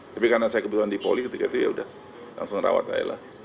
tapi karena saya kebetulan di poli ketika itu ya udah langsung rawat saya lah